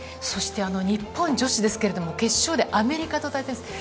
日本女子ですけれど、決勝でアメリカと対戦。